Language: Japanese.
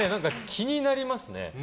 気になりますね。